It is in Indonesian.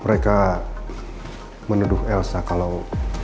mereka menuduh elsa kalau